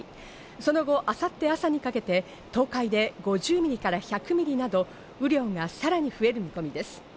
その後、明後日朝にかけて東海で５０ミリから１００ミリなど雨量がさらに増える見込みです。